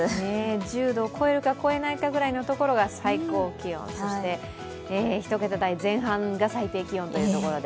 １０度を超えるか超えないかのところが最高気温、そして１桁台前半が最低気温ということで。